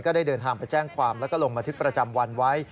ได้เดินทางไปแจ้งความแล้วก็ลงบันทึกประจำวันไว้